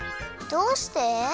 どうして？